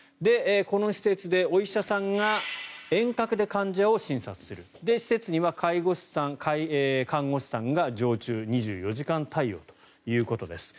この施設でお医者さんが遠隔で患者を診察する施設には介護士さん、看護師さんが常駐２４時間対応ということです。